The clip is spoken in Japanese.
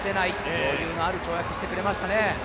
余裕のある跳躍をしてくれましたね。